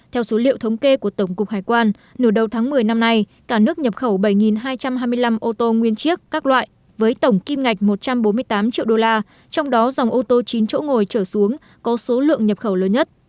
theo số liệu thống kê của tổng cục hải quan nửa đầu tháng một mươi năm nay cả nước nhập khẩu bảy hai trăm hai mươi năm ô tô nguyên chiếc các loại với tổng kim ngạch một trăm bốn mươi tám triệu đô la trong đó dòng ô tô chín chỗ ngồi trở xuống có số lượng nhập khẩu lớn nhất